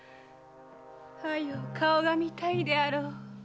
早う顔が見たいであろう。